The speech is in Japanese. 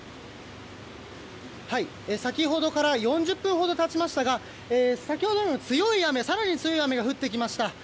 先ほどから４０分ほど経ちましたが先ほどよりも更に強い雨が降ってきました。